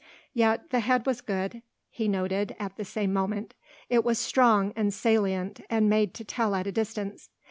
Yet the head was good, he noted at the same moment; it was strong and salient and made to tell at a distance.